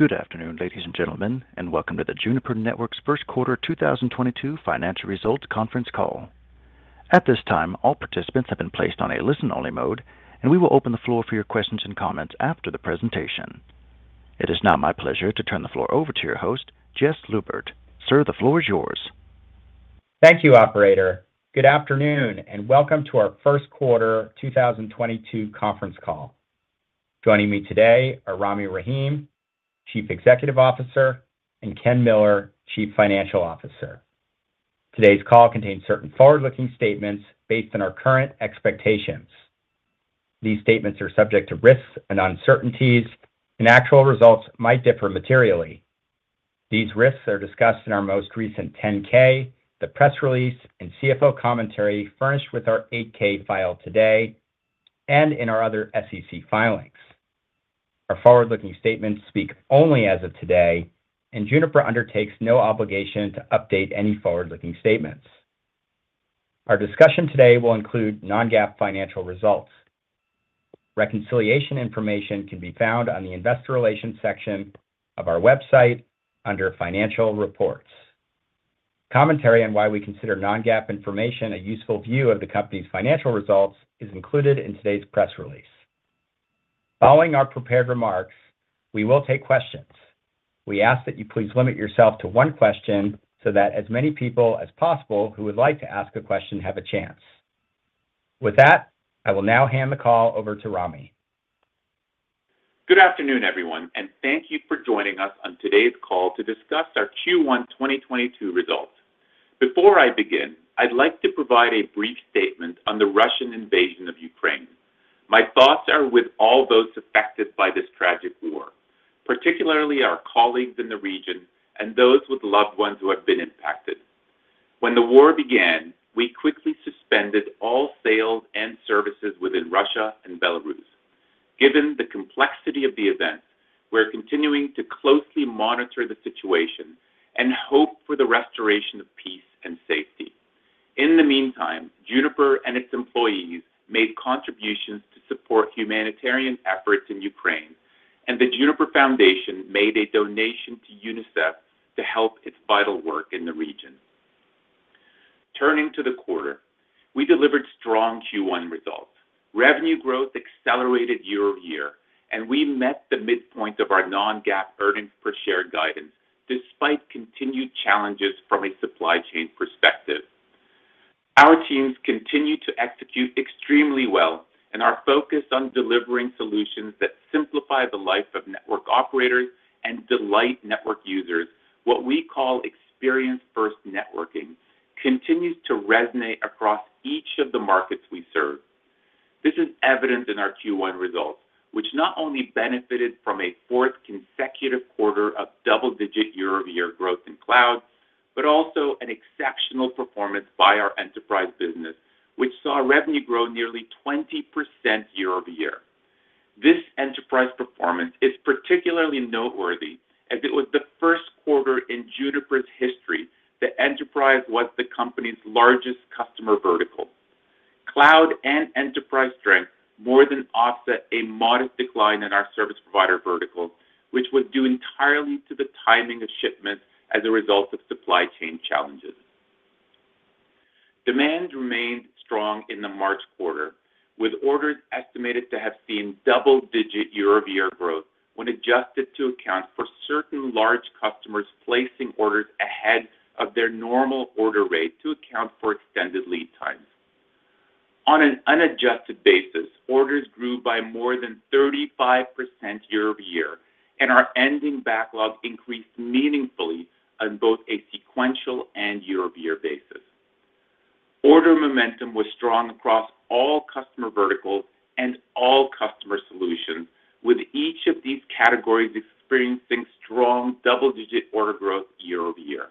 Good afternoon, ladies and gentlemen, and welcome to the Juniper Networks First Quarter 2022 Financial Results Conference Call. At this time, all participants have been placed on a listen-only mode, and we will open the floor for your questions and comments after the presentation. It is now my pleasure to turn the floor over to your host, Jess Lubert. Sir, the floor is yours. Thank you, operator. Good afternoon, and welcome to our first quarter 2022 conference call. Joining me today are Rami Rahim, Chief Executive Officer, and Ken Miller, Chief Financial Officer. Today's call contains certain forward-looking statements based on our current expectations. These statements are subject to risks and uncertainties, and actual results might differ materially. These risks are discussed in our most recent 10-K, the press release and CFO commentary furnished with our 8-K filed today, and in our other SEC filings. Our forward-looking statements speak only as of today, and Juniper undertakes no obligation to update any forward-looking statements. Our discussion today will include non-GAAP financial results. Reconciliation information can be found on the investor relations section of our website under Financial Reports. Commentary on why we consider non-GAAP information a useful view of the company's financial results is included in today's press release. Following our prepared remarks, we will take questions. We ask that you please limit yourself to one question so that as many people as possible who would like to ask a question have a chance. With that, I will now hand the call over to Rami. Good afternoon, everyone, and thank you for joining us on today's call to discuss our Q1 2022 results. Before I begin, I'd like to provide a brief statement on the Russian invasion of Ukraine. My thoughts are with all those affected by this tragic war, particularly our colleagues in the region and those with loved ones who have been impacted. When the war began, we quickly suspended all sales and services within Russia and Belarus. Given the complexity of the events, we're continuing to closely monitor the situation and hope for the restoration of peace and safety. In the meantime, Juniper and its employees made contributions to support humanitarian efforts in Ukraine, and the Juniper Foundation made a donation to UNICEF to help its vital work in the region. Turning to the quarter, we delivered strong Q1 results. Revenue growth accelerated year-over-year, and we met the midpoint of our non-GAAP earnings per share guidance despite continued challenges from a supply chain perspective. Our teams continue to execute extremely well and are focused on delivering solutions that simplify the life of network operators and delight network users. What we call Experience-First Networking continues to resonate across each of the markets we serve. This is evident in our Q1 results, which not only benefited from a fourth consecutive quarter of double-digit year-over-year growth in Cloud, but also an exceptional performance by our Enterprise business, which saw revenue grow nearly 20% year-over-year. This Enterprise performance is particularly noteworthy as it was the first quarter in Juniper's history that Enterprise was the company's largest customer vertical. Cloud and enterprise strength more than offset a modest decline in our service provider vertical, which was due entirely to the timing of shipments as a result of supply chain challenges. Demand remained strong in the March quarter, with orders estimated to have seen double-digit year-over-year growth when adjusted to account for certain large customers placing orders ahead of their normal order rate to account for extended lead times. On an unadjusted basis, orders grew by more than 35% year-over-year, and our ending backlog increased meaningfully on both a sequential and year-over-year basis. Order momentum was strong across all customer verticals and all customer solutions, with each of these categories experiencing strong double-digit order growth year-over-year.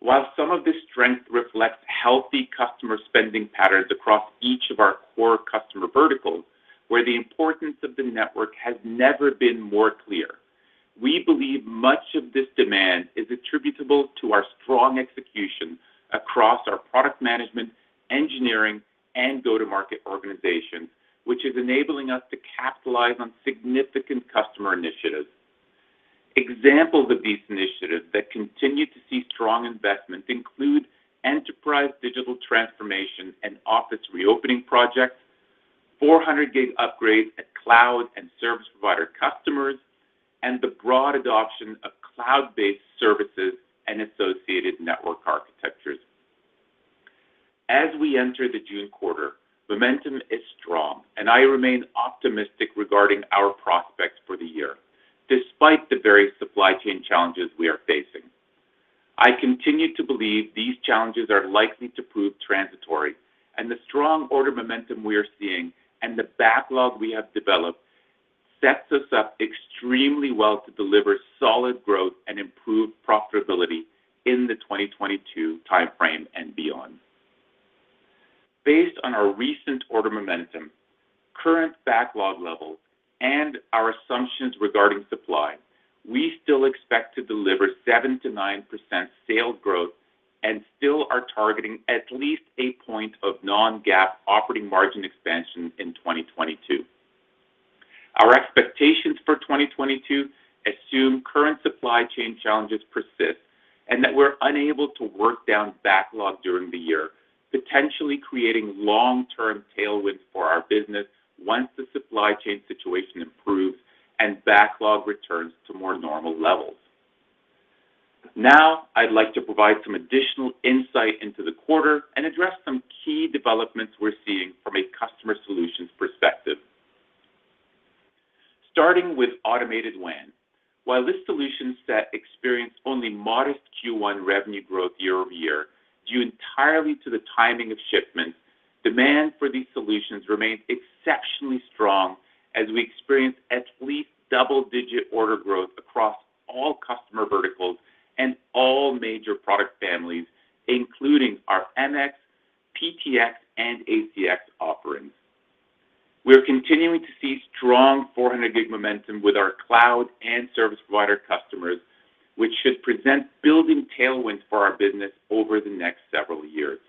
While some of this strength reflects healthy customer spending patterns across each of our core customer verticals, where the importance of the network has never been more clear, we believe much of this demand is attributable to our strong execution across our product management, engineering, and go-to-market organizations, which is enabling us to capitalize on significant customer initiatives. Examples of these initiatives that continue to see strong investments include enterprise digital transformation and office reopening projects, 400G upgrades at cloud and service provider customers, and the broad adoption of cloud-based services and associated network architectures. As we enter the June quarter, momentum is strong, and I remain optimistic regarding our prospects for the year, despite the various supply chain challenges we are facing. I continue to believe these challenges are likely to prove transitory and the strong order momentum we are seeing and the backlog we have developed sets us up extremely well to deliver solid growth and improved profitability in the 2022 timeframe and beyond. Based on our recent order momentum, current backlog levels, and our assumptions regarding supply, we still expect to deliver 7%-9% sales growth. Still are targeting at least a point of non-GAAP operating margin expansion in 2022. Our expectations for 2022 assume current supply chain challenges persist and that we're unable to work down backlog during the year, potentially creating long-term tailwinds for our business once the supply chain situation improves and backlog returns to more normal levels. Now, I'd like to provide some additional insight into the quarter and address some key developments we're seeing from a customer solutions perspective. Starting with Automated WAN. While this solution set experienced only modest Q1 revenue growth year-over-year due entirely to the timing of shipments, demand for these solutions remains exceptionally strong as we experience at least double-digit order growth across all customer verticals and all major product families, including our MX, PTX, and ACX offerings. We are continuing to see strong 400G momentum with our cloud and service provider customers, which should present building tailwinds for our business over the next several years.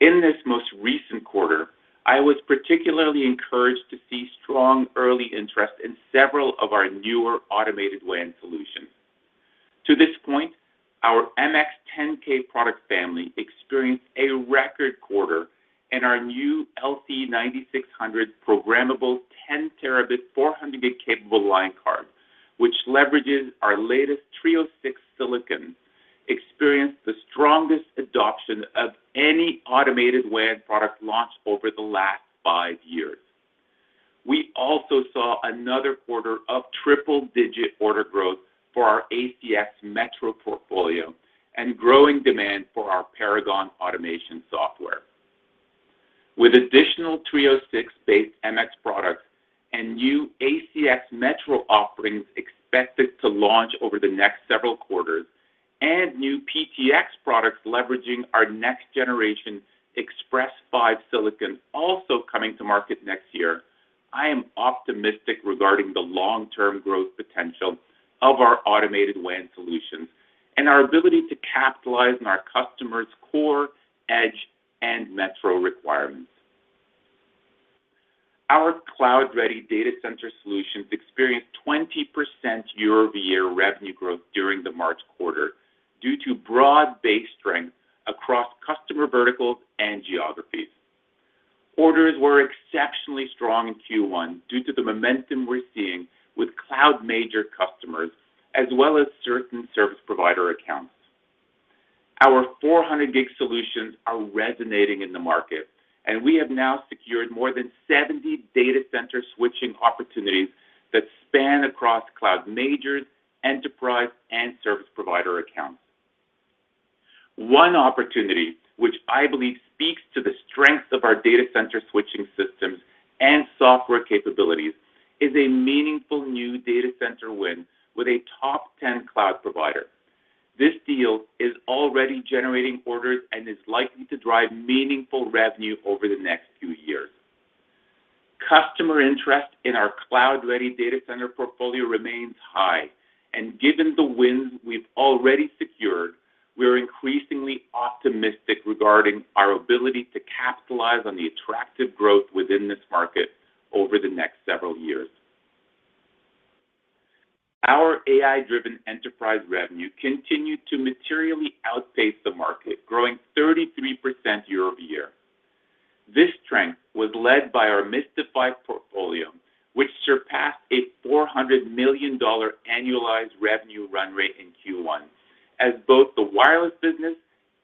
In this most recent quarter, I was particularly encouraged to see strong early interest in several of our newer Automated WAN solutions. To this point, our MX10K product family experienced a record quarter and our new LC9600 programmable 10 TB 400G-capable line card, which leverages our latest Trio 6 silicon, experienced the strongest adoption of any Automated WAN product launched over the last 5 years. We also saw another quarter of triple-digit order growth for our ACX metro portfolio and growing demand for our Paragon automation software. With additional Trio 6-based MX products and new ACX metro offerings expected to launch over the next several quarters and new PTX products leveraging our next generation Express 5 silicon also coming to market next year, I am optimistic regarding the long-term growth potential of our Automated WAN solutions and our ability to capitalize on our customers' core, edge, and metro requirements. Our Cloud-Ready Data Center solutions experienced 20% year-over-year revenue growth during the March quarter due to broad base strength across customer verticals and geographies. Orders were exceptionally strong in Q1 due to the momentum we're seeing with cloud major customers as well as certain service provider accounts. Our 400G solutions are resonating in the market, and we have now secured more than 70 data center switching opportunities that span across cloud majors, enterprise, and service provider accounts. One opportunity which I believe speaks to the strength of our data center switching systems and software capabilities is a meaningful new data center win with a top 10 cloud provider. This deal is already generating orders and is likely to drive meaningful revenue over the next few years. Customer interest in our cloud-ready data center portfolio remains high, and given the wins we've already secured, we are increasingly optimistic regarding our ability to capitalize on the attractive growth within this market over the next several years. Our AI-Driven Enterprise revenue continued to materially outpace the market, growing 33% year-over-year. This strength was led by our Mist device portfolio, which surpassed a $400 million annualized revenue run rate in Q1 as both the wireless business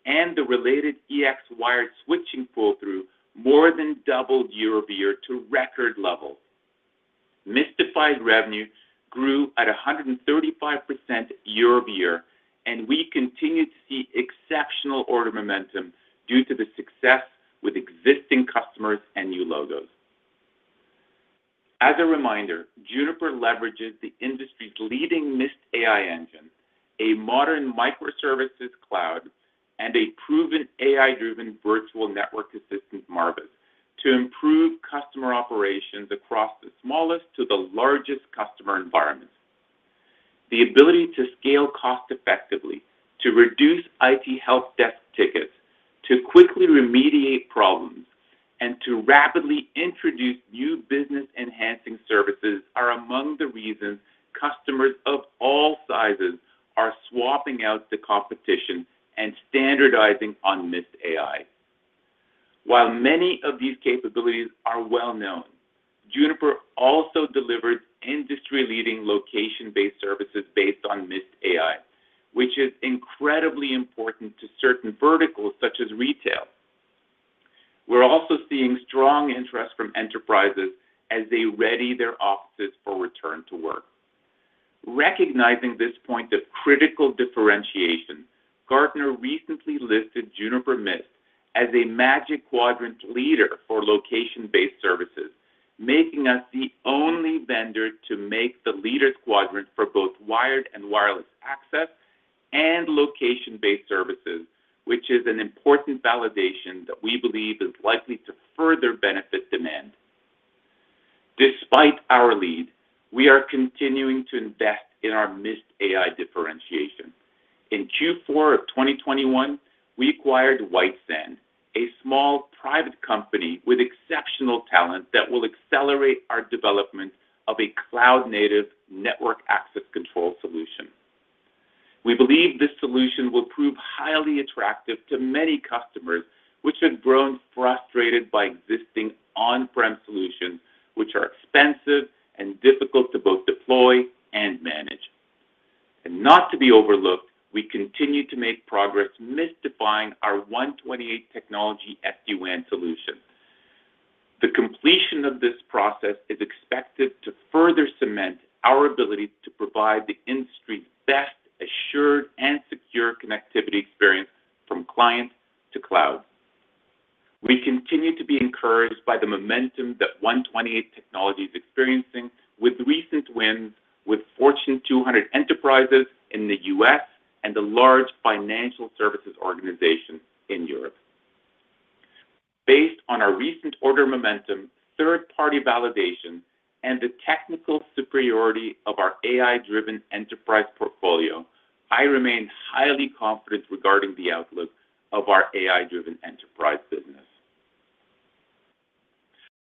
and the related EX-wired switching pull-through more than doubled year-over-year to record levels. Mist device revenue grew at a 135% year-over-year, and we continued to see exceptional order momentum due to the success with existing customers and new logos. As a reminder, Juniper leverages the industry's leading Mist AI engine, a modern microservices cloud, and a proven AI-driven virtual network assistant, Marvis, to improve customer operations across the smallest to the largest customer environments. The ability to scale cost effectively, to reduce IT help desk tickets, to quickly remediate problems, and to rapidly introduce new business-enhancing services are among the reasons customers of all sizes are swapping out the competition and standardizing on Mist AI. While many of these capabilities are well known, Juniper also delivers industry-leading location-based services based on Mist AI, which is incredibly important to certain verticals such as retail. We're also seeing strong interest from enterprises as they ready their offices for return to work. Recognizing this point of critical differentiation, Gartner recently listed Juniper Mist as a Magic Quadrant leader for location-based services, making us the only vendor to make the Leaders quadrant for both wired and wireless access and location-based services, which is an important validation that we believe is likely to further benefit demand. Despite our lead, we are continuing to invest in our Mist AI differentiation. In Q4 of 2021, we acquired WiteSand, a small private company with exceptional talent that will accelerate our development of a cloud-native network access control solution. We believe this solution will prove highly attractive to many customers which have grown frustrated by existing on-prem solutions which are expensive and difficult to both deploy and manage. Not to be overlooked, we continue to make progress Mist-ifying our 128 Technology SD-WAN solution. The completion of this process is expected to further cement our ability to provide the industry's best assured and secure connectivity experience from client to cloud. We continue to be encouraged by the momentum that 128 Technology is experiencing with recent wins with Fortune 200 enterprises in the U.S. and a large financial services organization in Europe. Based on our recent order momentum, third-party validation, and the technical superiority of our AI-Driven Enterprise portfolio, I remain highly confident regarding the outlook of our AI-Driven Enterprise business.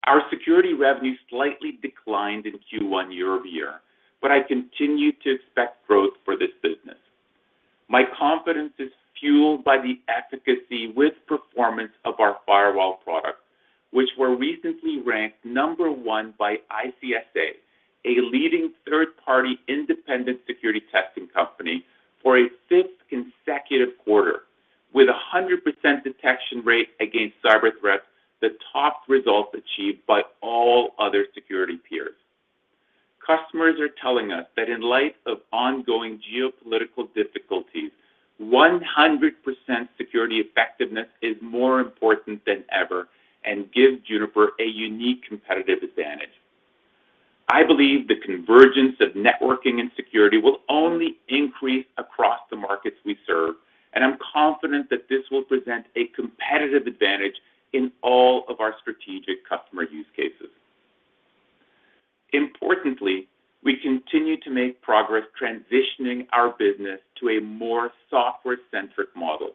Our security revenue slightly declined in Q1 year-over-year, but I continue to expect growth for this business. My confidence is fueled by the efficacy with performance of our firewall products, which were recently ranked number 1 by ICSA Labs, a leading third-party independent security testing company for a fifth consecutive quarter with a 100% detection rate against cyber threats, the top results achieved by all other security peers. Customers are telling us that in light of ongoing geopolitical difficulties, 100% security effectiveness is more important than ever and gives Juniper a unique competitive advantage. I believe the convergence of networking and security will only increase across the markets we serve, and I'm confident that this will present a competitive advantage in all of our strategic customer use cases. Importantly, we continue to make progress transitioning our business to a more software-centric model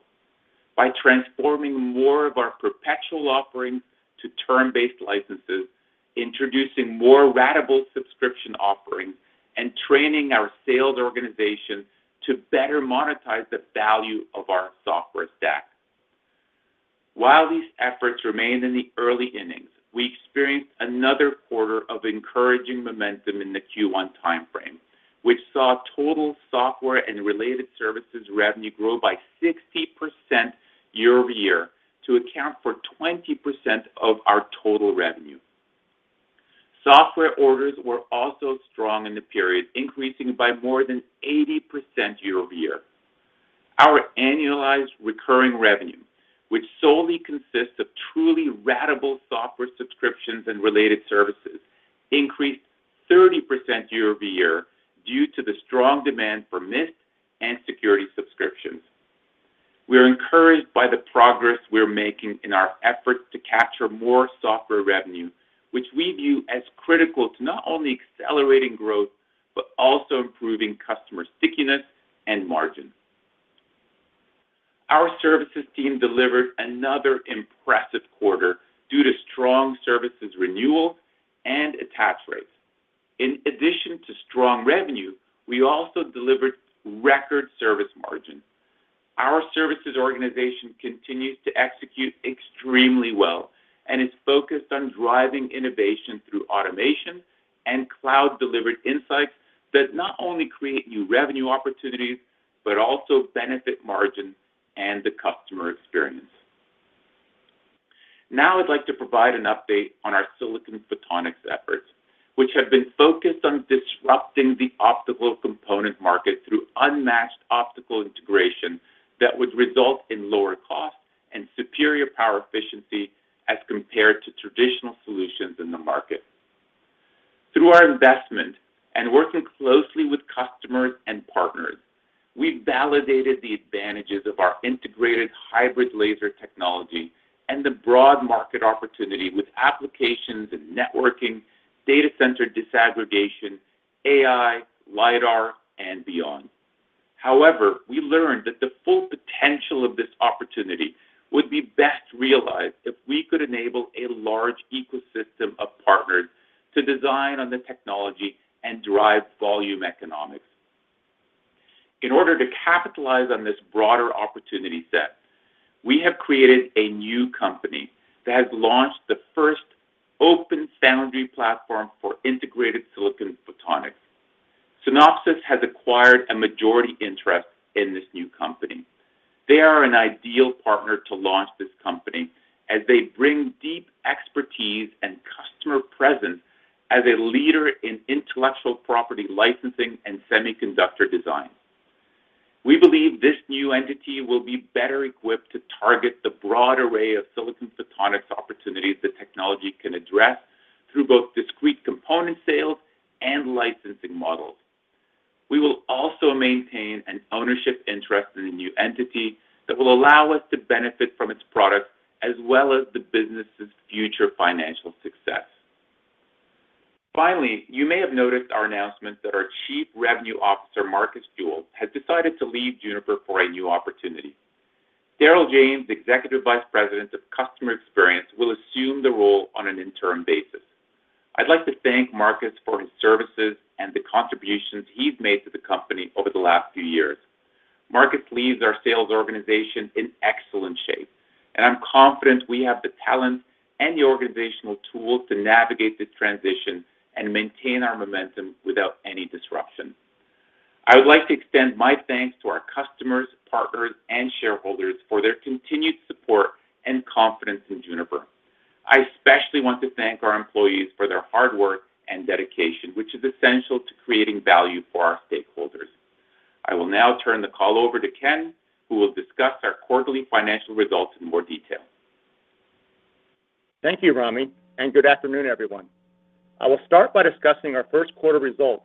by transforming more of our perpetual offerings to term-based licenses, introducing more ratable subscription offerings, and training our sales organization to better monetize the value of our software stack. While these efforts remain in the early innings, we experienced another quarter of encouraging momentum in the Q1 timeframe, which saw total software and related services revenue grow by 60% year-over-year to account for 20% of our total revenue. Software orders were also strong in the period, increasing by more than 80% year-over-year. Our annualized recurring revenue, which solely consists of truly ratable software subscriptions and related services, increased 30% year-over-year due to the strong demand for Mist and security subscriptions. We are encouraged by the progress we're making in our efforts to capture more software revenue, which we view as critical to not only accelerating growth, but also improving customer stickiness and margins. Our services team delivered another impressive quarter due to strong services renewal and attach rates. In addition to strong revenue, we also delivered record service margins. Our services organization continues to execute extremely well and is focused on driving innovation through automation and cloud-delivered insights that not only create new revenue opportunities, but also benefit margins and the customer experience. Now I'd like to provide an update on our silicon photonics efforts, which have been focused on disrupting the optical component market through unmatched optical integration that would result in lower cost and superior power efficiency as compared to traditional solutions in the market. Through our investment and working closely with customers and partners, we validated the advantages of our integrated hybrid laser technology and the broad market opportunity with applications in networking, data center disaggregation, AI, LIDAR, and beyond. However, we learned that the full potential of this opportunity would be best realized if we could enable a large ecosystem of partners to design on the technology and drive volume economics. In order to capitalize on this broader opportunity set, we have created a new company that has launched the first open foundry platform for integrated silicon photonics. Synopsys has acquired a majority interest in this new company. They are an ideal partner to launch this company as they bring deep expertise and customer presence as a leader in intellectual property licensing and semiconductor design. We believe this new entity will be better equipped to target the broad array of silicon photonics opportunities the technology can address through both discrete component sales and licensing models. We will also maintain an ownership interest in the new entity that will allow us to benefit from its products as well as the business's future financial success. Finally, you may have noticed our announcement that our Chief Revenue Officer, Marcus Jewell, has decided to leave Juniper for a new opportunity. Derrell James, Executive Vice President of Customer Experience, will assume the role on an interim basis. I'd like to thank Marcus for his services and the contributions he's made to the company over the last few years. Marcus leaves our sales organization in excellent shape, and I'm confident we have the talent and the organizational tools to navigate this transition and maintain our momentum without any disruption. I would like to extend my thanks to our customers, partners, and shareholders for their continued support and confidence in Juniper. I especially want to thank our employees for their hard work and dedication, which is essential to creating value for our stakeholders. I will now turn the call over to Ken, who will discuss our quarterly financial results in more detail. Thank you, Rami, and good afternoon, everyone. I will start by discussing our first quarter results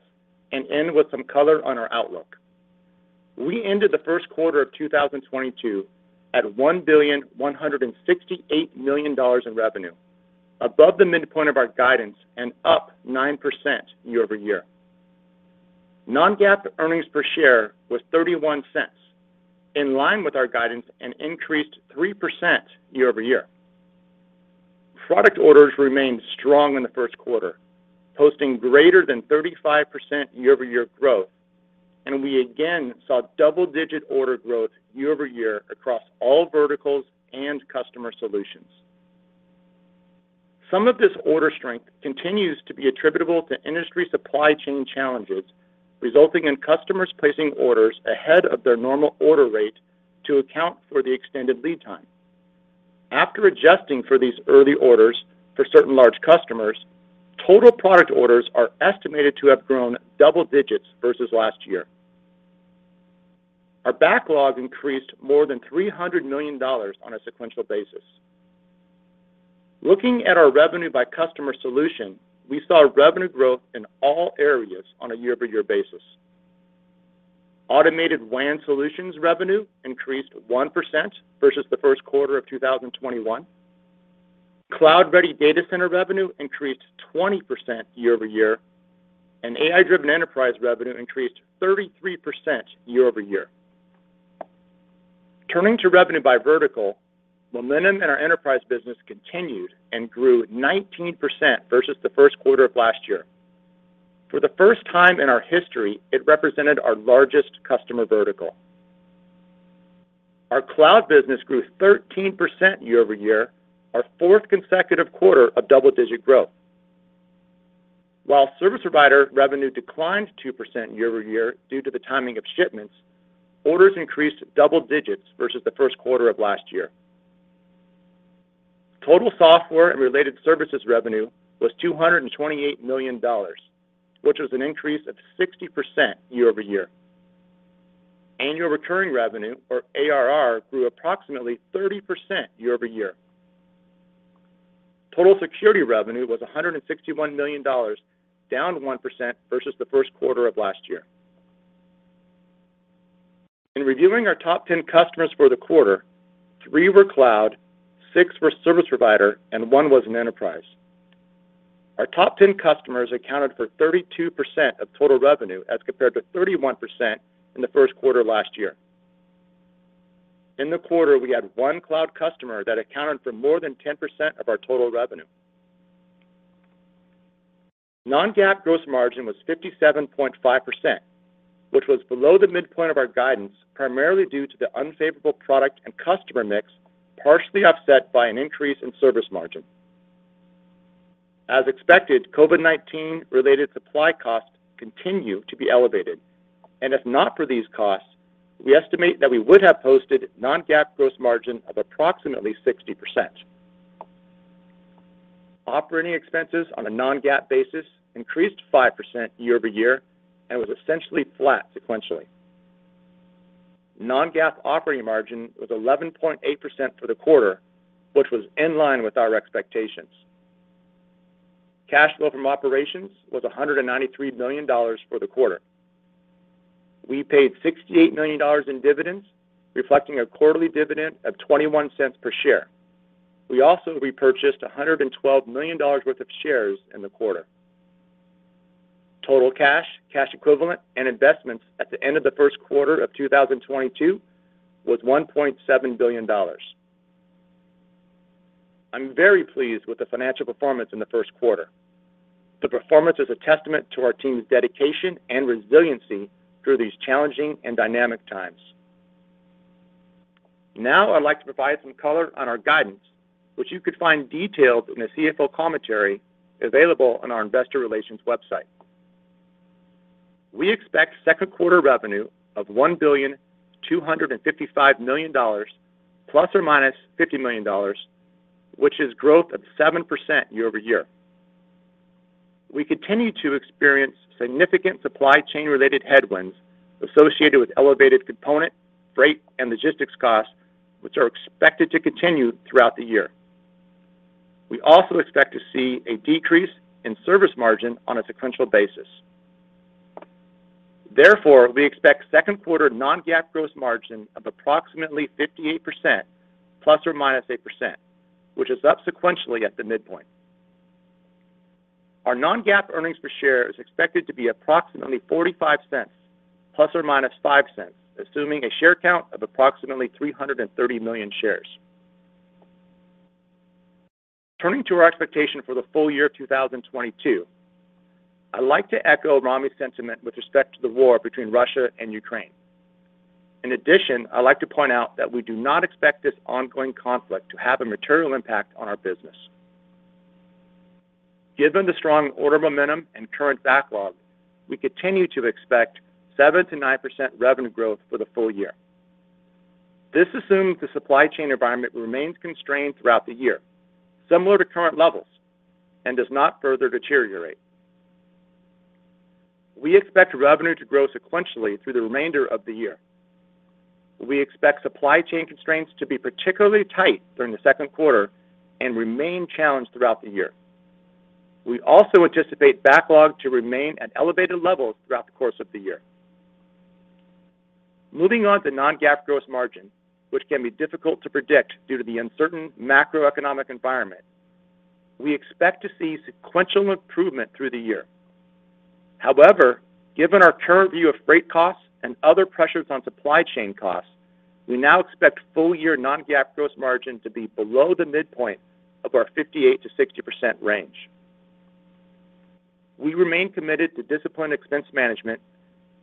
and end with some color on our outlook. We ended the first quarter of 2022 at $1.168 billion in revenue, above the midpoint of our guidance and up 9% year-over-year. Non-GAAP earnings per share was $0.31, in line with our guidance and increased 3% year-over-year. Product orders remained strong in the first quarter, posting greater than 35% year-over-year growth, and we again saw double-digit order growth year-over-year across all verticals and customer solutions. Some of this order strength continues to be attributable to industry supply chain challenges, resulting in customers placing orders ahead of their normal order rate to account for the extended lead time. After adjusting for these early orders for certain large customers, total product orders are estimated to have grown double digits versus last year. Our backlog increased more than $300 million on a sequential basis. Looking at our revenue by customer solution, we saw revenue growth in all areas on a year-over-year basis. Automated WAN solutions revenue increased 1% versus the first quarter of 2021. Cloud-ready data center revenue increased 20% year-over-year, and AI-Driven Enterprise revenue increased 33% year-over-year. Turning to revenue by vertical, momentum in our enterprise business continued and grew 19% versus the first quarter of last year. For the first time in our history, it represented our largest customer vertical. Our cloud business grew 13% year-over-year, our fourth consecutive quarter of double-digit growth. While service provider revenue declined 2% year-over-year due to the timing of shipments, orders increased double digits versus the first quarter of last year. Total software and related services revenue was $228 million, which was an increase of 60% year-over-year. Annual recurring revenue, or ARR, grew approximately 30% year-over-year. Total security revenue was $161 million, down 1% versus the first quarter of last year. In reviewing our top 10 customers for the quarter, three were cloud, six were service provider, and one was an enterprise. Our top 10 customers accounted for 32% of total revenue as compared to 31% in the first quarter last year. In the quarter, we had one cloud customer that accounted for more than 10% of our total revenue. Non-GAAP gross margin was 57.5%, which was below the midpoint of our guidance, primarily due to the unfavorable product and customer mix, partially offset by an increase in service margin. As expected, COVID-19 related supply costs continue to be elevated, and if not for these costs, we estimate that we would have posted non-GAAP gross margin of approximately 60%. Operating expenses on a non-GAAP basis increased 5% year-over-year and was essentially flat sequentially. Non-GAAP operating margin was 11.8% for the quarter, which was in line with our expectations. Cash flow from operations was $193 million for the quarter. We paid $68 million in dividends, reflecting a quarterly dividend of $0.21 per share. We also repurchased $112 million worth of shares in the quarter. Total cash equivalents, and investments at the end of the first quarter of 2022 was $1.7 billion. I'm very pleased with the financial performance in the first quarter. The performance is a testament to our team's dedication and resiliency through these challenging and dynamic times. Now I'd like to provide some color on our guidance, which you could find detailed in the CFO commentary available on our investor relations website. We expect second quarter revenue of $1.255 billion ±$50 million, which is growth of 7% year-over-year. We continue to experience significant supply chain-related headwinds associated with elevated component, freight, and logistics costs, which are expected to continue throughout the year. We also expect to see a decrease in service margin on a sequential basis. Therefore, we expect second quarter non-GAAP gross margin of approximately 58% ± 8%, which is up sequentially at the midpoint. Our non-GAAP earnings per share is expected to be approximately $0.45 ± $0.05, assuming a share count of approximately 330 million shares. Turning to our expectation for the full year 2022, I'd like to echo Rami's sentiment with respect to the war between Russia and Ukraine. In addition, I'd like to point out that we do not expect this ongoing conflict to have a material impact on our business. Given the strong order momentum and current backlog, we continue to expect 7%-9% revenue growth for the full year. This assumes the supply chain environment remains constrained throughout the year, similar to current levels, and does not further deteriorate. We expect revenue to grow sequentially through the remainder of the year. We expect supply chain constraints to be particularly tight during the second quarter and remain challenged throughout the year. We also anticipate backlog to remain at elevated levels throughout the course of the year. Moving on to non-GAAP gross margin, which can be difficult to predict due to the uncertain macroeconomic environment, we expect to see sequential improvement through the year. However, given our current view of freight costs and other pressures on supply chain costs, we now expect full year non-GAAP gross margin to be below the midpoint of our 58%-60% range. We remain committed to disciplined expense management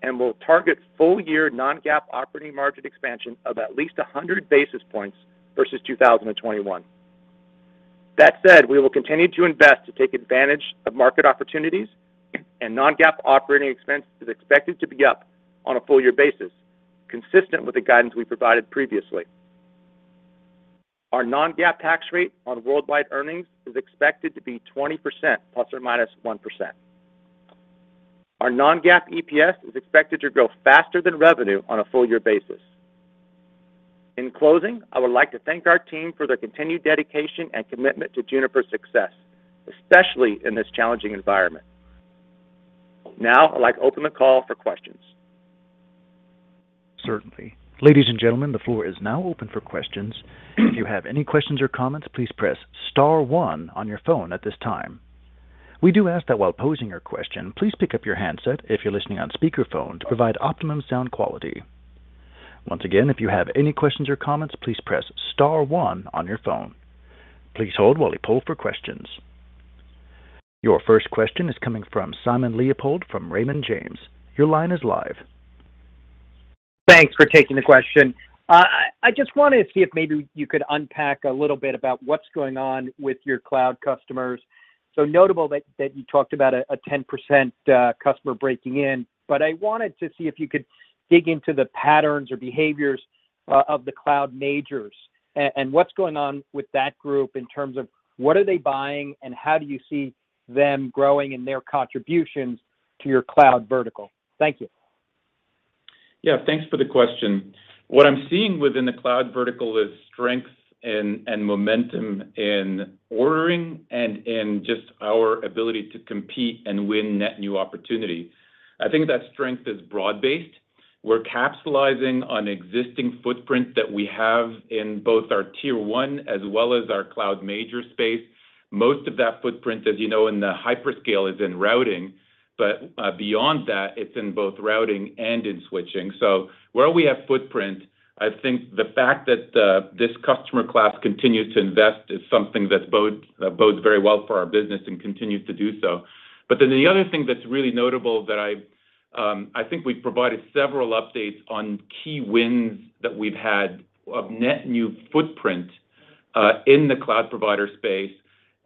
and will target full year non-GAAP operating margin expansion of at least 100 basis points versus 2021. That said, we will continue to invest to take advantage of market opportunities and non-GAAP operating expenses expected to be up on a full year basis, consistent with the guidance we provided previously. Our non-GAAP tax rate on worldwide earnings is expected to be 20% ±1%. Our non-GAAP EPS is expected to grow faster than revenue on a full year basis. In closing, I would like to thank our team for their continued dedication and commitment to Juniper's success, especially in this challenging environment. Now I'd like to open the call for questions. Certainly. Ladies and gentlemen, the floor is now open for questions. If you have any questions or comments, please press star one on your phone at this time. We do ask that while posing your question, please pick up your handset if you're listening on speakerphone to provide optimum sound quality. Once again, if you have any questions or comments, please press star one on your phone. Please hold while we poll for questions. Your first question is coming from Simon Leopold from Raymond James. Your line is live. Thanks for taking the question. I just wanted to see if maybe you could unpack a little bit about what's going on with your cloud customers. Notable that you talked about a 10% customer breakout. I wanted to see if you could dig into the patterns or behaviors of the cloud majors and what's going on with that group in terms of what are they buying and how do you see them growing in their contributions to your cloud vertical? Thank you. Yeah, thanks for the question. What I'm seeing within the cloud vertical is strength and momentum in ordering and in just our ability to compete and win net new opportunity. I think that strength is broad-based. We're capitalizing on existing footprint that we have in both our tier one as well as our cloud major space. Most of that footprint, as you know, in the hyperscale is in routing. Beyond that, it's in both routing and in switching. Where we have footprint, I think the fact that this customer class continues to invest is something that bodes very well for our business and continues to do so. The other thing that's really notable that I think we've provided several updates on key wins that we've had of net new footprint in the cloud provider space.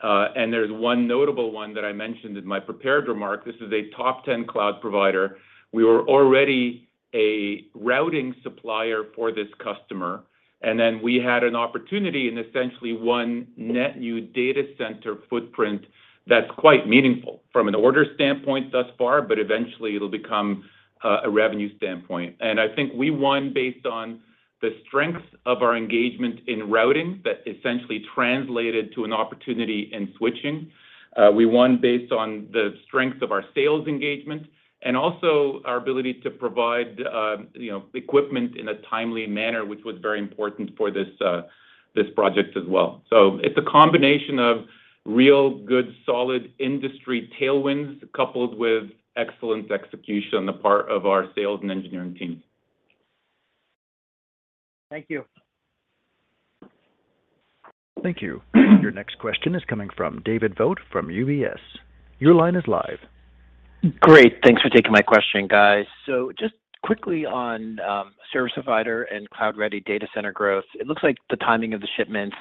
There's one notable one that I mentioned in my prepared remarks. This is a top 10 cloud provider. We were already a routing supplier for this customer, and then we had an opportunity in essentially one net new data center footprint that's quite meaningful from an order standpoint thus far, but eventually it'll become a revenue standpoint. I think we won based on the strength of our engagement in routing that essentially translated to an opportunity in switching. We won based on the strength of our sales engagement and also our ability to provide, you know, equipment in a timely manner, which was very important for this project as well. It's a combination of really good, solid industry tailwinds coupled with excellent execution on the part of our sales and engineering teams. Thank you. Thank you. Your next question is coming from David Vogt from UBS. Your line is live. Great. Thanks for taking my question, guys. Just quickly on service provider and cloud-ready data center growth. It looks like the timing of the shipments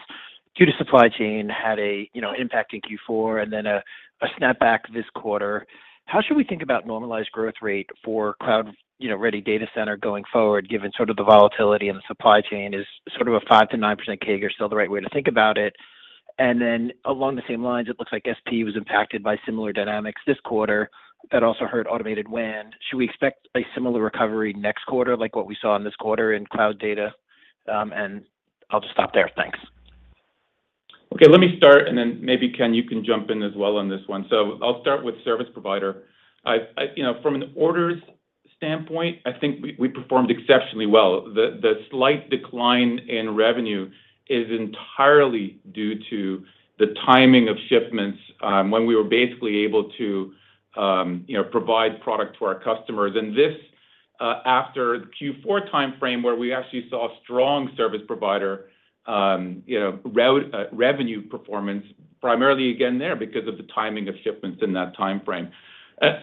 due to supply chain had a, you know, impact in Q4 and then a snapback this quarter. How should we think about normalized growth rate for cloud, you know, ready data center going forward, given sort of the volatility in the supply chain? Is sort of a 5%-9% CAGR still the right way to think about it? And then along the same lines, it looks like SP was impacted by similar dynamics this quarter that also hurt Automated WAN. Should we expect a similar recovery next quarter like what we saw in this quarter in cloud data? And I'll just stop there. Thanks. Okay, let me start and then maybe Ken, you can jump in as well on this one. I'll start with service provider. You know, from an orders standpoint, I think we performed exceptionally well. The slight decline in revenue is entirely due to the timing of shipments, when we were basically able to, you know, provide product to our customers and this, after the Q4 timeframe where we actually saw strong service provider, you know, revenue performance primarily again there because of the timing of shipments in that timeframe.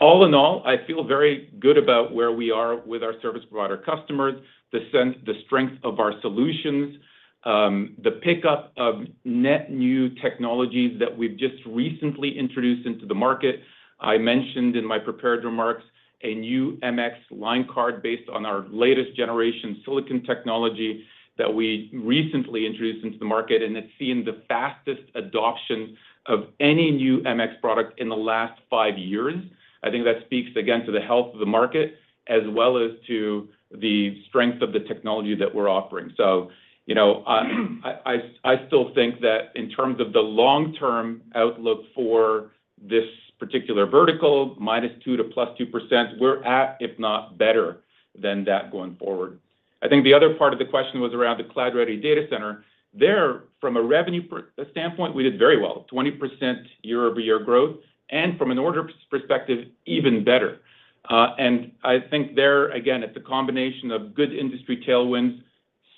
All in all, I feel very good about where we are with our service provider customers, the strength of our solutions, the pickup of net new technologies that we've just recently introduced into the market. I mentioned in my prepared remarks, a new MX line card based on our latest generation silicon technology that we recently introduced into the market, and it's seen the fastest adoption of any new MX product in the last 5 years. I think that speaks again to the health of the market as well as to the strength of the technology that we're offering. You know, I still think that in terms of the long-term outlook for this particular vertical, -2% to +2%, we're at, if not better than that going forward. I think the other part of the question was around the cloud-ready data center. There, from a revenue standpoint, we did very well, 20% year-over-year growth, and from an order perspective, even better. I think there, again, it's a combination of good industry tailwinds,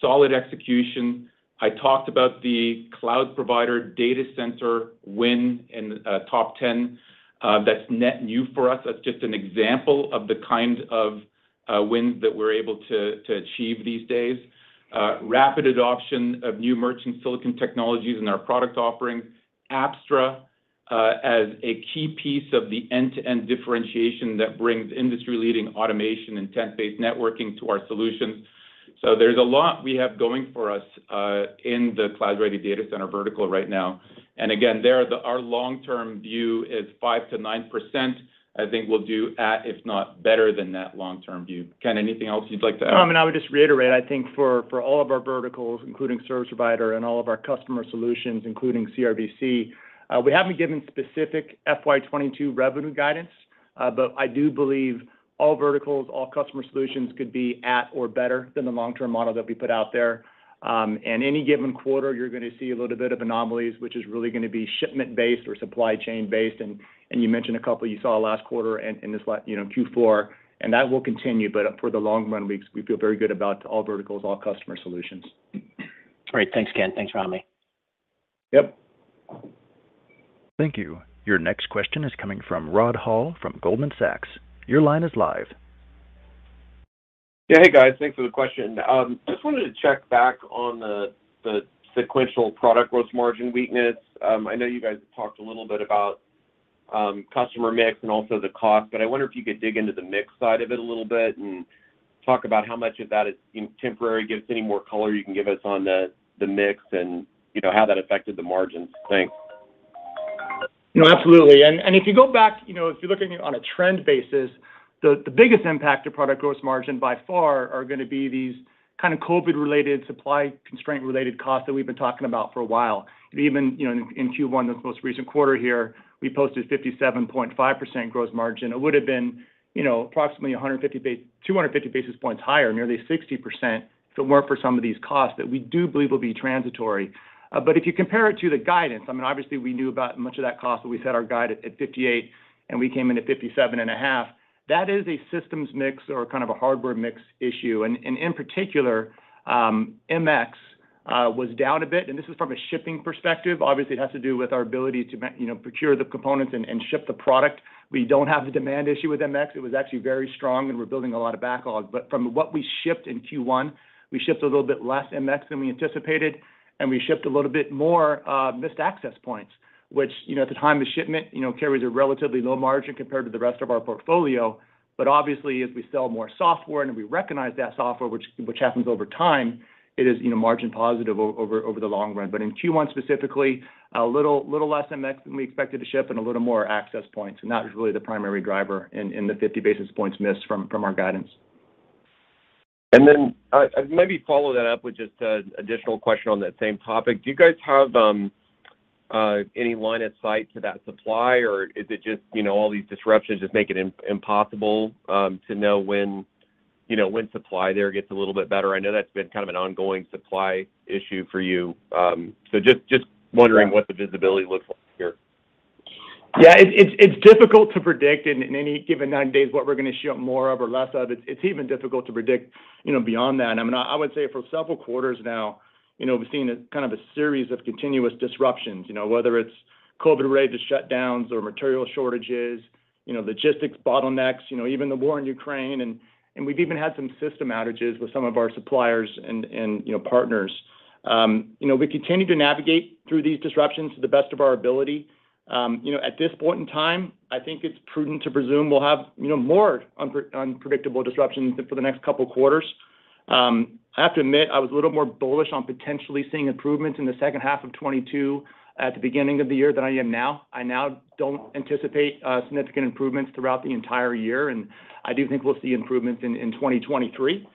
solid execution. I talked about the cloud provider data center win in top 10. That's net new for us. That's just an example of the kind of wins that we're able to achieve these days. Rapid adoption of new merchant silicon technologies in our product offerings. Apstra as a key piece of the end-to-end differentiation that brings industry-leading automation and intent-based networking to our solutions. There's a lot we have going for us in the cloud-ready data center vertical right now. Our long-term view is 5%-9%. I think we'll do at least if not better than that long-term view. Ken, anything else you'd like to add? No, I mean, I would just reiterate, I think for all of our verticals, including service provider and all of our customer solutions, including CRDC, we haven't given specific FY 2022 revenue guidance, but I do believe all verticals, all customer solutions could be at or better than the long-term model that we put out there. Any given quarter, you're gonna see a little bit of anomalies, which is really gonna be shipment-based or supply chain-based. You mentioned a couple you saw last quarter and in this you know, Q4, and that will continue. For the long run, we feel very good about all verticals, all customer solutions. All right. Thanks, Ken. Thanks, Rami. Yep. Thank you. Your next question is coming from Rod Hall from Goldman Sachs. Your line is live. Yeah. Hey, guys. Thanks for the question. Just wanted to check back on the sequential product gross margin weakness. I know you guys have talked a little bit about customer mix and also the cost, but I wonder if you could dig into the mix side of it a little bit and talk about how much of that is temporary, give us any more color you can give us on the mix and, you know, how that affected the margins. Thanks. No, absolutely. If you go back, you know, if you're looking on a trend basis, the biggest impact to product gross margin by far are gonna be these kind of COVID-related supply constraint related costs that we've been talking about for a while. Even if, you know, in Q1, the most recent quarter here, we posted 57.5% gross margin. It would've been, you know, approximately 250 basis points higher, nearly 60%, if it weren't for some of these costs that we do believe will be transitory. But if you compare it to the guidance, I mean, obviously, we knew about much of that cost, but we set our guide at 58, and we came in at 57.5. That is a systems mix or kind of a hardware mix issue. In particular, MX was down a bit, and this is from a shipping perspective. Obviously, it has to do with our ability to you know, procure the components and ship the product. We don't have the demand issue with MX. It was actually very strong, and we're building a lot of backlog. But from what we shipped in Q1, we shipped a little bit less MX than we anticipated, and we shipped a little bit more Mist access points, which you know, at the time of shipment, you know, carries a relatively low margin compared to the rest of our portfolio. But obviously, as we sell more software and we recognize that software, which happens over time, it is you know, margin positive over the long run. In Q1 specifically, a little less MX than we expected to ship and a little more access points. That was really the primary driver in the 50 basis points missed from our guidance. Maybe follow that up with just additional question on that same topic. Do you guys have any line of sight to that supply, or is it just, you know, all these disruptions just make it impossible to know when, you know, when supply there gets a little bit better? I know that's been kind of an ongoing supply issue for you. Just wondering what the visibility looks like here. Yeah. It's difficult to predict in any given 90 days what we're gonna ship more of or less of. It's even difficult to predict, you know, beyond that. I mean, I would say for several quarters now, you know, we've seen kind of a series of continuous disruptions, you know, whether it's COVID-related shutdowns or material shortages, you know, logistics bottlenecks, you know, even the war in Ukraine. We've even had some system outages with some of our suppliers and, you know, partners. You know, we continue to navigate through these disruptions to the best of our ability. You know, at this point in time, I think it's prudent to presume we'll have, you know, more unpredictable disruptions for the next couple quarters. I have to admit, I was a little more bullish on potentially seeing improvements in the second half of 2022 at the beginning of the year than I am now. I now don't anticipate significant improvements throughout the entire year, and I do think we'll see improvements in 2023.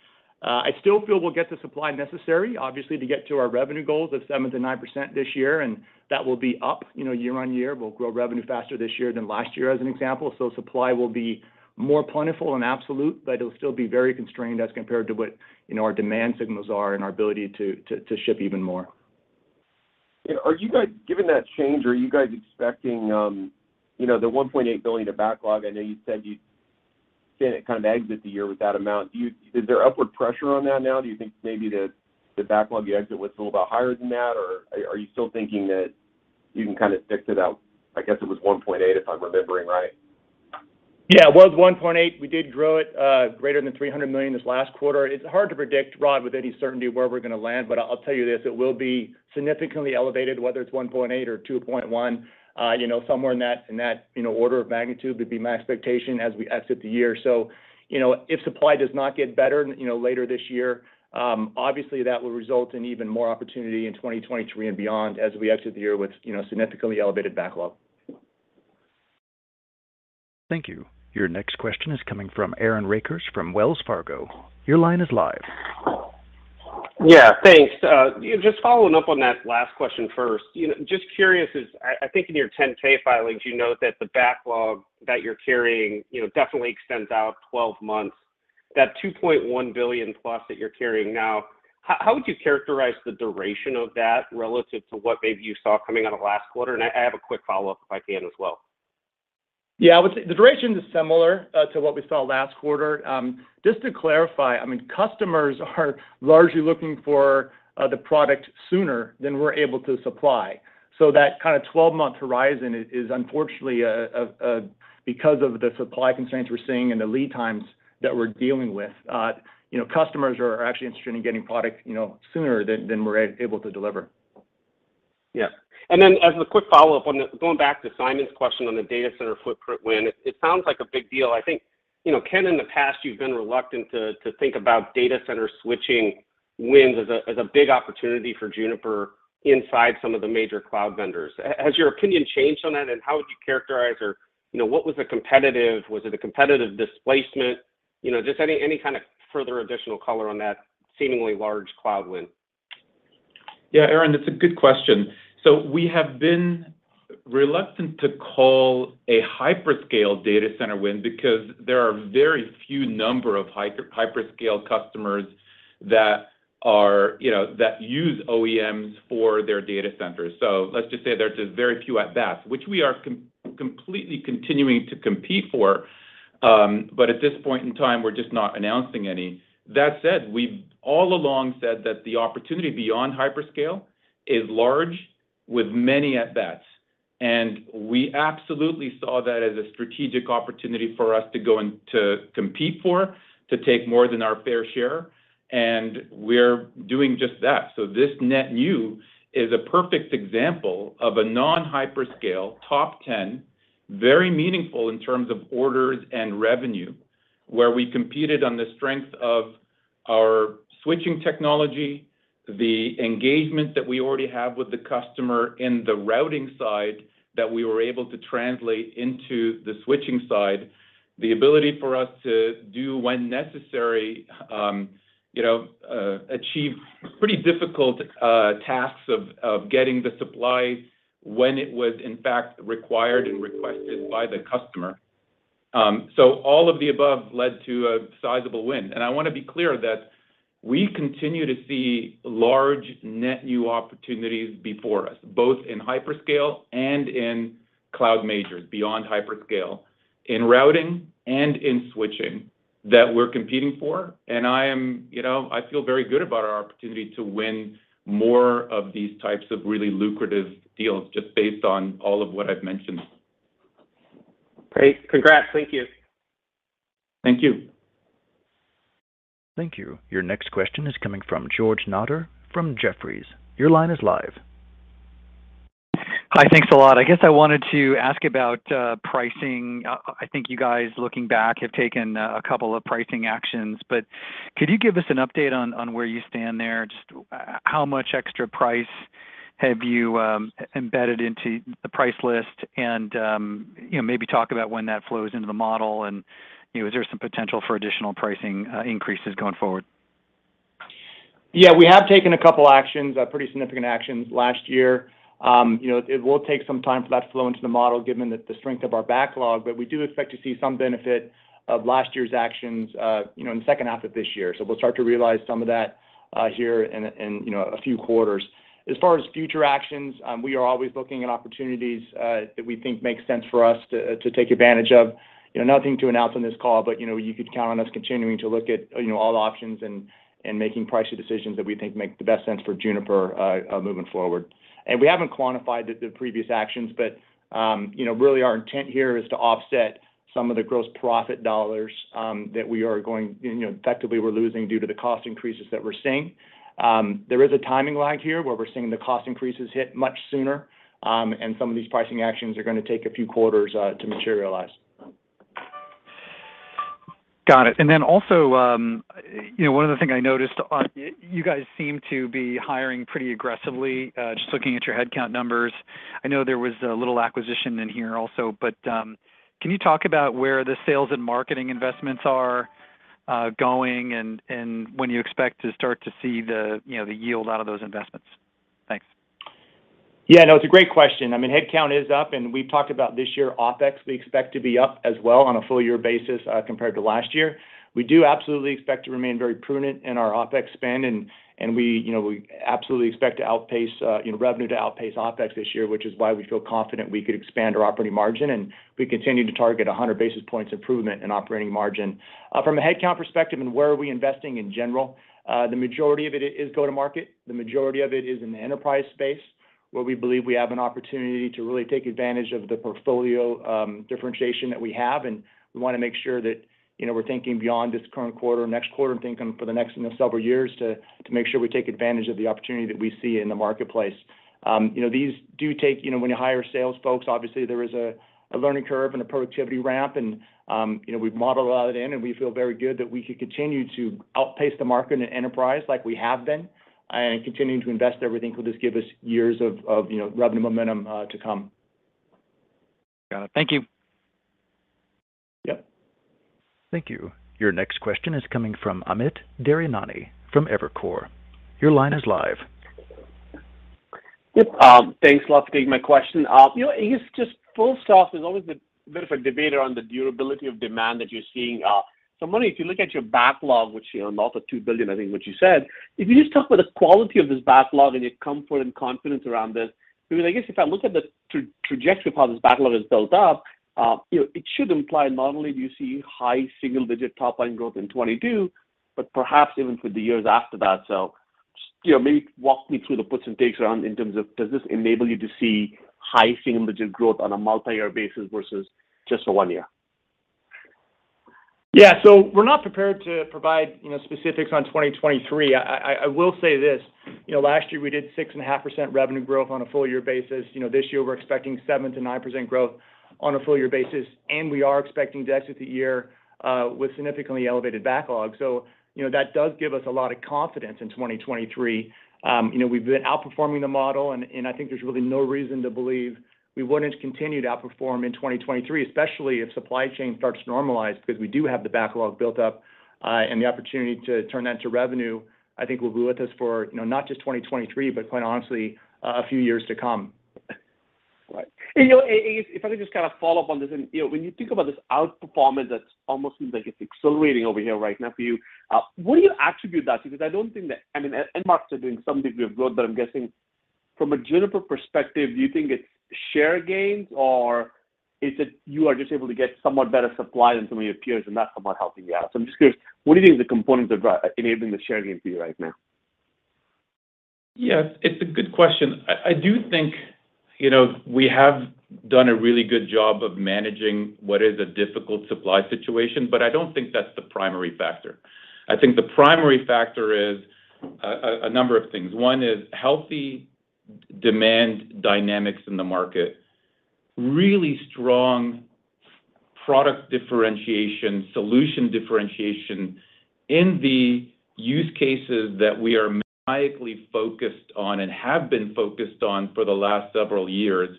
I still feel we'll get the supply necessary, obviously, to get to our revenue goals of 7%-9% this year, and that will be up, you know, year-on-year. We'll grow revenue faster this year than last year as an example. Supply will be more plentiful and absolute, but it'll still be very constrained as compared to what, you know, our demand signals are and our ability to ship even more. You know, given that change, are you guys expecting the $1.8 billion of backlog? I know you said you'd stay at kind of exit the year with that amount. Is there upward pressure on that now? Do you think maybe the backlog you exit with is a little bit higher than that, or are you still thinking that you can kind of fix it at, I guess it was $1.8 billion, if I'm remembering right? Yeah. It was $1.8 billion. We did grow it greater than $300 million this last quarter. It's hard to predict, Rod, with any certainty where we're going to land. I'll tell you this, it will be significantly elevated, whether it's $1.8 billion or $2.1 billion. You know, somewhere in that order of magnitude would be my expectation as we exit the year. If supply does not get better later this year, obviously that will result in even more opportunity in 2023 and beyond as we exit the year with significantly elevated backlog. Thank you. Your next question is coming from Aaron Rakers from Wells Fargo. Your line is live. Yeah. Thanks. You know, just following up on that last question first. You know, just curious, I think in your 10-K filings, you note that the backlog that you're carrying, you know, definitely extends out 12 months. That $2.1 billion plus that you're carrying now, how would you characterize the duration of that relative to what maybe you saw coming out of last quarter? And I have a quick follow-up if I can as well. Yeah. I would say the duration is similar to what we saw last quarter. Just to clarify, I mean, customers are largely looking for the product sooner than we're able to supply. So that kind of 12-month horizon is unfortunately because of the supply constraints we're seeing and the lead times that we're dealing with, you know, customers are actually interested in getting product, you know, sooner than we're able to deliver. Yeah. As a quick follow-up on the going back to Simon's question on the data center footprint win, it sounds like a big deal. I think, you know, Ken, in the past, you've been reluctant to think about data center switching wins as a big opportunity for Juniper inside some of the major cloud vendors. Has your opinion changed on that? And how would you characterize or, you know, what was the competitive? Was it a competitive displacement? You know, just any kind of further additional color on that seemingly large cloud win. Yeah. Aaron, that's a good question. We have been reluctant to call a hyperscale data center win because there are very few number of hyperscale customers that are, you know, that use OEMs for their data centers. Let's just say there's just very few at best, which we are completely continuing to compete for. But at this point in time, we're just not announcing any. That said, we've all along said that the opportunity beyond hyperscale is large with many at bats. We absolutely saw that as a strategic opportunity for us to go and to compete for, to take more than our fair share, and we're doing just that. This net new is a perfect example of a non-hyperscale top ten, very meaningful in terms of orders and revenue, where we competed on the strength of our switching technology, the engagement that we already have with the customer in the routing side that we were able to translate into the switching side. The ability for us to do when necessary achieve pretty difficult tasks of getting the supply when it was in fact required and requested by the customer. All of the above led to a sizable win. I want to be clear that we continue to see large net new opportunities before us, both in hyperscale and in cloud majors beyond hyperscale, in routing and in switching that we're competing for. I am, you know, I feel very good about our opportunity to win more of these types of really lucrative deals just based on all of what I've mentioned. Great. Congrats. Thank you. Thank you. Thank you. Your next question is coming from George Notter from Jefferies. Your line is live. Hi. Thanks a lot. I guess I wanted to ask about pricing. I think you guys, looking back, have taken a couple of pricing actions, but could you give us an update on where you stand there? Just how much extra price have you embedded into the price list and you know, maybe talk about when that flows into the model and you know, is there some potential for additional pricing increases going forward? Yeah. We have taken a couple actions, pretty significant actions last year. You know, it will take some time for that to flow into the model given the strength of our backlog. But we do expect to see some benefit of last year's actions, you know, in the second half of this year. We'll start to realize some of that here in you know a few quarters. As far as future actions, we are always looking at opportunities that we think make sense for us to take advantage of. You know, nothing to announce on this call, but you know you could count on us continuing to look at you know all options and making pricing decisions that we think make the best sense for Juniper moving forward. We haven't quantified the previous actions, but you know really our intent here is to offset some of the gross profit dollars that we are going you know effectively we're losing due to the cost increases that we're seeing. There is a timing lag here where we're seeing the cost increases hit much sooner, and some of these pricing actions are going to take a few quarters to materialize. Got it. You know, one of the things I noticed on you guys seem to be hiring pretty aggressively, just looking at your headcount numbers. I know there was a little acquisition in here also, but can you talk about where the sales and marketing investments are going and when you expect to start to see the, you know, the yield out of those investments? Thanks. Yeah, no, it's a great question. I mean, headcount is up, and we've talked about this year, OpEx, we expect to be up as well on a full year basis, compared to last year. We do absolutely expect to remain very prudent in our OpEx spend, and we, you know, we absolutely expect to outpace, you know, revenue to outpace OpEx this year, which is why we feel confident we could expand our operating margin, and we continue to target 100 basis points improvement in operating margin. From a headcount perspective and where are we investing in general, the majority of it is go-to-market. The majority of it is in the enterprise space, where we believe we have an opportunity to really take advantage of the portfolio differentiation that we have, and we wanna make sure that, you know, we're thinking beyond this current quarter, next quarter, and thinking for the next, you know, several years to make sure we take advantage of the opportunity that we see in the marketplace. You know, when you hire sales folks, obviously there is a learning curve and a productivity ramp and, you know, we've modeled a lot of that in, and we feel very good that we could continue to outpace the market in enterprise like we have been and continuing to invest there. We think will just give us years of you know revenue momentum to come. Got it. Thank you. Yep. Thank you. Your next question is coming from Amit Daryanani from Evercore. Your line is live. Yep. Thanks a lot for taking my question. You know, I guess just full stop, there's always been a bit of a debate around the durability of demand that you're seeing. So Rami, if you look at your backlog, which, you know, north of $2 billion, I think what you said, if you just talk about the quality of this backlog and your comfort and confidence around this. Because I guess if I look at the trajectory of how this backlog has built up, you know, it should imply not only do you see high single-digit top line growth in 2022, but perhaps even for the years after that. Just, you know, maybe walk me through the puts and takes around in terms of does this enable you to see high single-digit growth on a multi-year basis versus just for one year? We're not prepared to provide, you know, specifics on 2023. I will say this, you know, last year we did 6.5% revenue growth on a full year basis. You know, this year we're expecting 7%-9% growth on a full year basis, and we are expecting to exit the year with significantly elevated backlog. You know, that does give us a lot of confidence in 2023. You know, we've been outperforming the model and I think there's really no reason to believe we wouldn't continue to outperform in 2023, especially if supply chain starts to normalize, because we do have the backlog built up, and the opportunity to turn that into revenue, I think will be with us for, you know, not just 2023, but quite honestly, a few years to come. Right. You know, and if I could just kind of follow up on this and, you know, when you think about this outperformance that almost seems like it's accelerating over here right now for you, what do you attribute that to? Because I don't think that I mean, end markets are doing some degree of growth, but I'm guessing from a Juniper perspective, do you think it's share gains or is it you are just able to get somewhat better supply than some of your peers and that's somewhat helping you out? I'm just curious, what do you think are the components enabling the share gain for you right now? Yes, it's a good question. I do think, you know, we have done a really good job of managing what is a difficult supply situation, but I don't think that's the primary factor. I think the primary factor is a number of things. One is healthy demand dynamics in the market, really strong product differentiation, solution differentiation in the use cases that we are maniacally focused on and have been focused on for the last several years,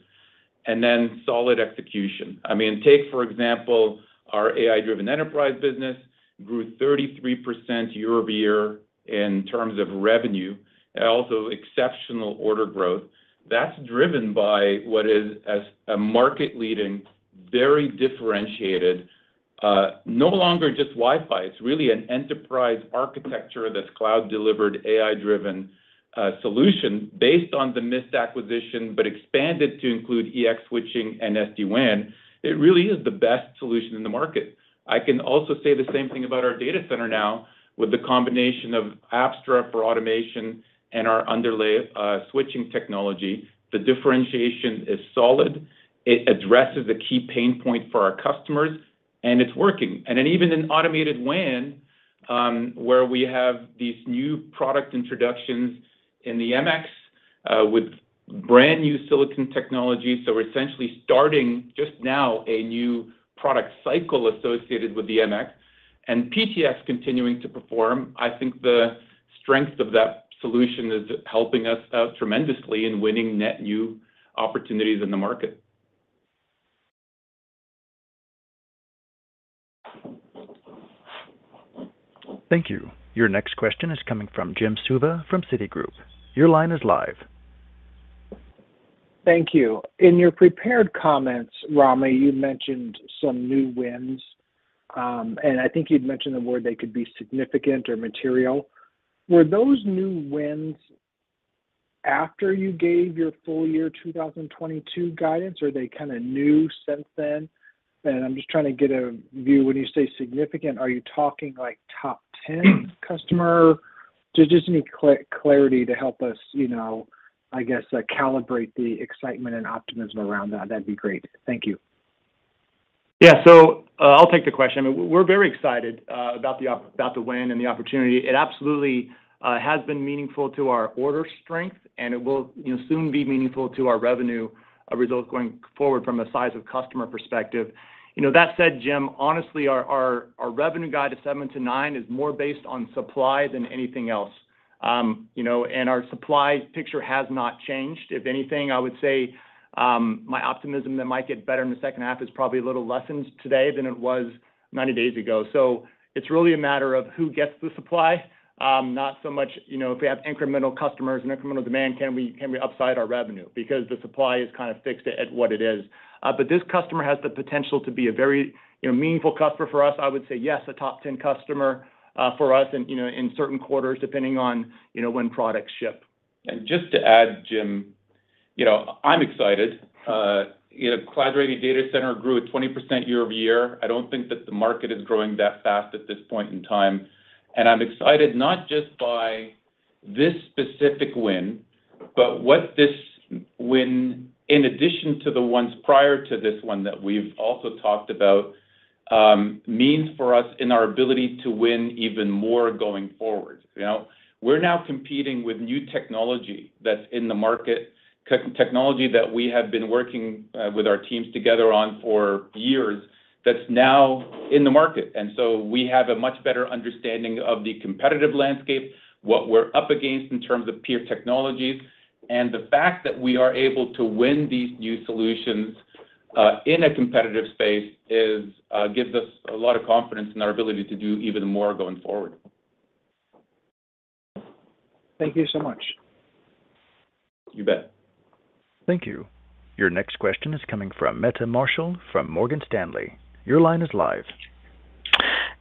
and then solid execution. I mean, take for example, our AI-Driven Enterprise business grew 33% year-over-year in terms of revenue. Also exceptional order growth. That's driven by what is a market leading, very differentiated, no longer just Wi-Fi. It's really an enterprise architecture that's cloud delivered, AI-driven, solution based on the Mist acquisition, but expanded to include EX switching and SD-WAN. It really is the best solution in the market. I can also say the same thing about our data center now with the combination of Apstra for automation and our underlay switching technology. The differentiation is solid. It addresses a key pain point for our customers, and it's working. Even in automated WAN, where we have these new product introductions in the MX with brand new silicon technology. We're essentially starting just now a new product cycle associated with the MX and PTX continuing to perform. I think the strength of that solution is helping us out tremendously in winning net new opportunities in the market. Thank you. Your next question is coming from Jim Suva from Citigroup. Your line is live. Thank you. In your prepared comments, Rami, you mentioned some new wins, and I think you'd mentioned the word they could be significant or material. Were those new wins after you gave your full year 2022 guidance, or are they kind of new since then? I'm just trying to get a view. When you say significant, are you talking like top ten customer? Just need clarity to help us, you know, I guess calibrate the excitement and optimism around that. That'd be great. Thank you. Yeah. I'll take the question. I mean, we're very excited about the win and the opportunity. It absolutely has been meaningful to our order strength, and it will, you know, soon be meaningful to our revenue. A result going forward from a size of customer perspective. You know, that said, Jim, honestly, our revenue guide of 7-9 is more based on supply than anything else. You know, and our supply picture has not changed. If anything, I would say my optimism that might get better in the second half is probably a little lessened today than it was 90 days ago. It's really a matter of who gets the supply, not so much, you know, if we have incremental customers and incremental demand, can we upside our revenue? Because the supply is kind of fixed at what it is. This customer has the potential to be a very, you know, meaningful customer for us. I would say yes, a top ten customer for us and, you know, in certain quarters depending on, you know, when products ship. Just to add, Jim, you know, I'm excited. You know, Cloud-Ready Data Center grew at 20% year-over-year. I don't think that the market is growing that fast at this point in time. I'm excited not just by this specific win, but what this win, in addition to the ones prior to this one that we've also talked about, means for us in our ability to win even more going forward. You know, we're now competing with new technology that's in the market. Technology that we have been working with our teams together on for years that's now in the market. We have a much better understanding of the competitive landscape, what we're up against in terms of peer technologies. The fact that we are able to win these new solutions in a competitive space gives us a lot of confidence in our ability to do even more going forward. Thank you so much. You bet. Thank you. Your next question is coming from Meta Marshall from Morgan Stanley. Your line is live.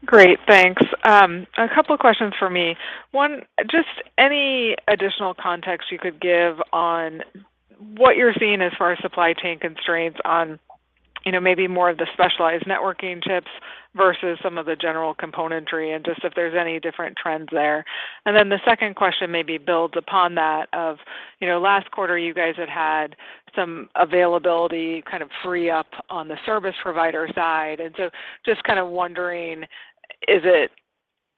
Great, thanks. A couple questions for me. One, just any additional context you could give on what you're seeing as far as supply chain constraints on, you know, maybe more of the specialized networking chips versus some of the general componentry, and just if there's any different trends there. The second question maybe builds upon that of, you know, last quarter you guys had some availability kind of free up on the service provider side. Just kind of wondering, is it,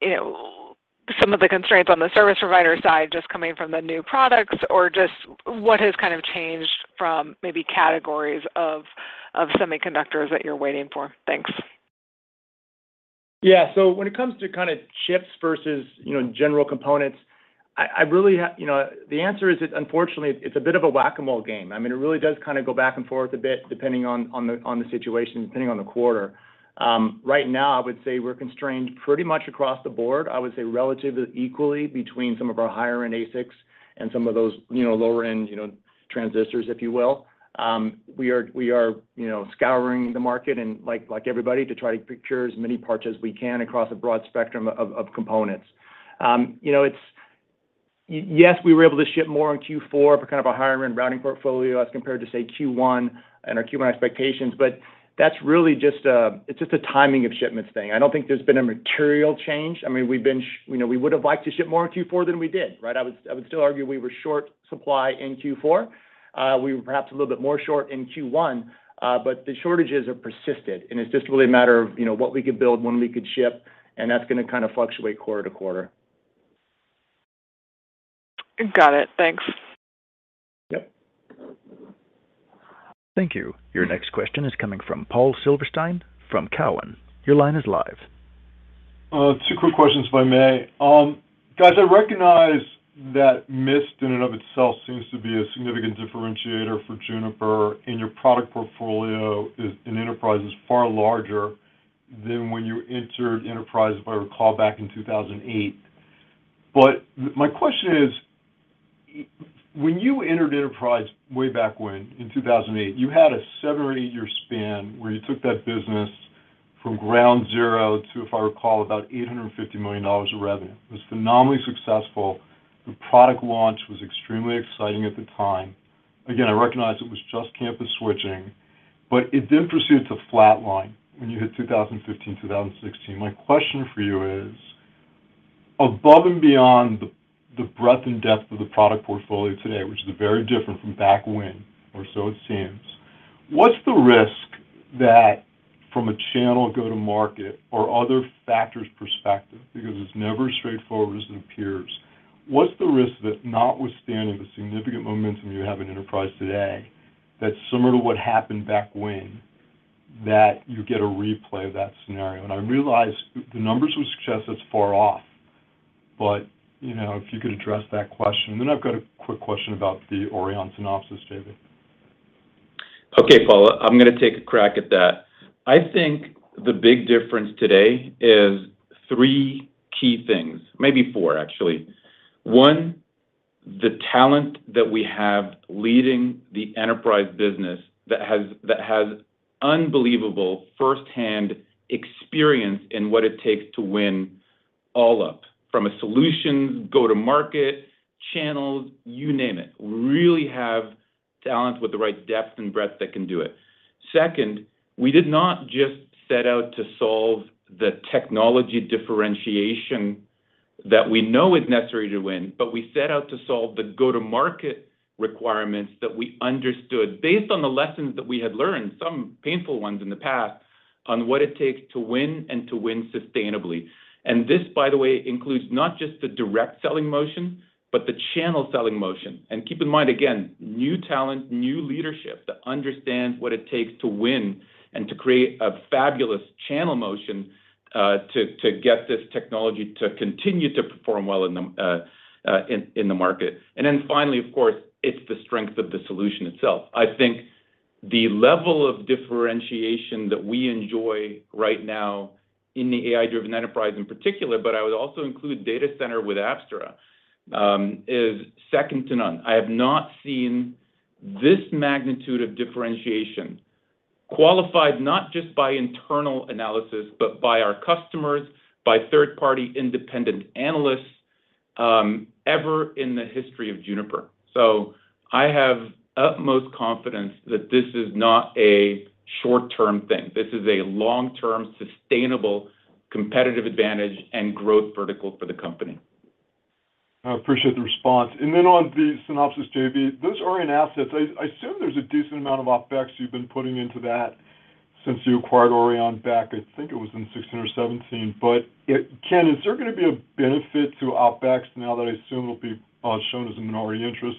you know, some of the constraints on the service provider side just coming from the new products? Or just what has kind of changed from maybe categories of semiconductors that you're waiting for? Thanks. Yeah. When it comes to kind of chips versus, you know, general components, I really you know, the answer is that unfortunately, it's a bit of a Whac-A-Mole game. I mean, it really does kind of go back and forth a bit depending on the situation, depending on the quarter. Right now, I would say we're constrained pretty much across the board. I would say relatively equally between some of our higher-end ASICs and some of those, you know, lower end, you know, transistors, if you will. We are, you know, scouring the market and like everybody, to try to procure as many parts as we can across a broad spectrum of components. You know, it's. Yes, we were able to ship more in Q4 for kind of a higher end routing portfolio as compared to, say, Q1 and our Q1 expectations, but that's really just, it's just a timing of shipments thing. I don't think there's been a material change. I mean, you know, we would have liked to ship more in Q4 than we did, right? I would still argue we were short supply in Q4. We were perhaps a little bit more short in Q1. But the shortages have persisted, and it's just really a matter of, you know, what we could build, when we could ship, and that's gonna kind of fluctuate quarter to quarter. Got it. Thanks. Yep. Thank you. Your next question is coming from Paul Silverstein from Cowen. Your line is live. Two quick questions if I may. Guys, I recognize that Mist in and of itself seems to be a significant differentiator for Juniper, and your product portfolio is, in enterprise is far larger than when you entered enterprise, if I recall, back in 2008. My question is, when you entered enterprise way back when in 2008, you had a 7- or 8-year span where you took that business from ground zero to, if I recall, about $850 million of revenue. It was phenomenally successful. The product launch was extremely exciting at the time. Again, I recognize it was just campus switching, but it then proceeded to flatline when you hit 2015, 2016. My question for you is, above and beyond the breadth and depth of the product portfolio today, which is very different from back when, or so it seems, what's the risk that from a channel go-to market or other factors perspective, because it's never as straightforward as it appears. What's the risk that notwithstanding the significant momentum you have in enterprise today, that similar to what happened back when, that you get a replay of that scenario? I realize the numbers from success is far off, but, you know, if you could address that question. Then I've got a quick question about the Aurrion Synopsys deal. Okay, Paul. I'm gonna take a crack at that. I think the big difference today is three key things. Maybe four, actually. One, the talent that we have leading the enterprise business that has unbelievable firsthand experience in what it takes to win all up. From a solutions go-to-market channel, you name it. We really have talent with the right depth and breadth that can do it. Second, we did not just set out to solve the technology differentiation that we know is necessary to win, but we set out to solve the go-to-market requirements that we understood based on the lessons that we had learned, some painful ones in the past on what it takes to win and to win sustainably. This, by the way, includes not just the direct selling motion, but the channel selling motion. Keep in mind, again, new talent, new leadership that understands what it takes to win and to create a fabulous channel motion, to get this technology to continue to perform well in the market. Finally, of course, it's the strength of the solution itself. I think the level of differentiation that we enjoy right now in the AI-Driven Enterprise in particular, but I would also include data center with Apstra, is second to none. I have not seen this magnitude of differentiation qualified not just by internal analysis, but by our customers, by third-party independent analysts, ever in the history of Juniper. I have utmost confidence that this is not a short-term thing. This is a long-term, sustainable competitive advantage and growth vertical for the company. I appreciate the response. Then on the Synopsys JV, those Aurrion assets, I assume there's a decent amount of OpEx you've been putting into that since you acquired Aurrion back, I think it was in 2016 or 2017. Ken, is there going to be a benefit to OpEx now that I assume will be shown as a minority interest